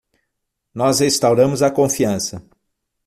Nós restauramos a confiança